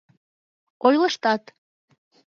Ойлыштат!..